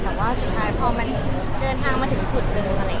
แต่ว่าสุดท้ายพอมันเดินทางมาถึงจุดนึง